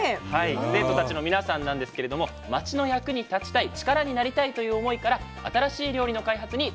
生徒たちの皆さんなんですけれども町の役に立ちたい力になりたいという思いから新しい料理の開発に取り組んでいるそうです。